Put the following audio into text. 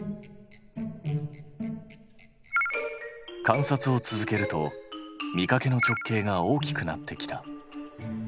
観察を続けると見かけの直径が大きくなってきた。